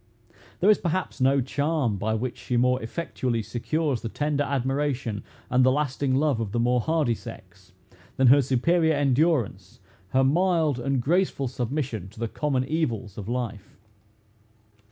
There is, perhaps, no charm by which she more effectually secures the tender admiration and the lasting love, of the more hardy sex, than her superior endurance, her mild and graceful submission to the common evils of life.